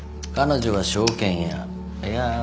彼女は証券屋。